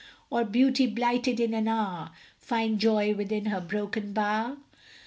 Or Beauty, blighted in an hour, Find joy within her broken bower?